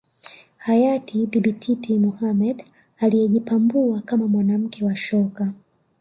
Hayati Bibi Titi Mohamed aliyejipambua kama mwanamke wa shoka